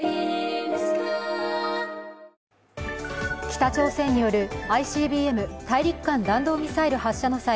北朝鮮によるＩＣＢＭ＝大陸間弾道ミサイル発射の際